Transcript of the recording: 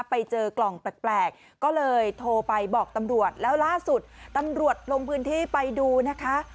ไปเจอกล่องแปลกก็เลยโทรไปบอกตำรวจแล้วล่าสุดตำรวจลงพื้นที่ไปดูนะคะ